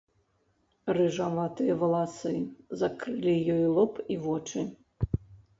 Рыжаватыя валасы закрылі ёй лоб і вочы.